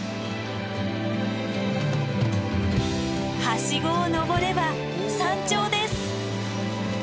はしごを登れば山頂です！